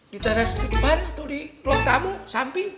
di teras depan atau di ruang tamu samping